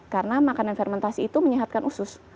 karena makanan fermentasi itu menyehatkan usus